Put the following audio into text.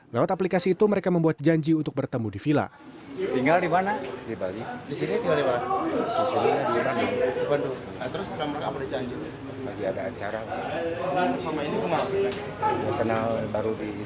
lewat aplikasi itu mereka membuat janji untuk bertemu di villa